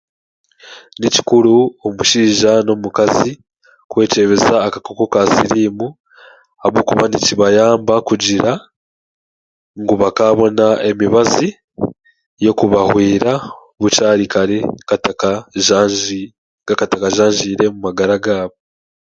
Ni kikuru omushaija n'omukazi kwekyebeza akakooko ka siriimu ahabwokuba nikibayamba kugira ngu bakaabona emibazi y'okubahwera bukyari kare katakajanji katakajanjiire omu magara gaabo.